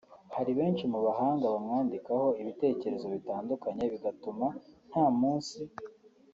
Hari benshi mu bahanga bamwandikaho ibitekerezo bitandukanye bigatuma nta munsi